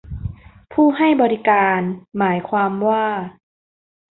ผู้ให้บริการ หมายความว่า